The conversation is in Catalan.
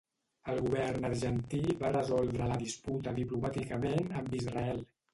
El govern argentí va resoldre la disputa diplomàticament amb Israel.